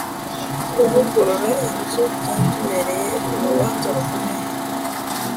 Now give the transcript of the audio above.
kuvugurura inzu byatubereye urubanza rukomeye.